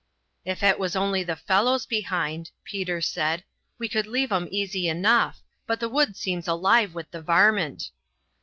"Ef it was only the fellows behind," Peter said, "we could leave them easy enough, but the wood seems alive with the varmint."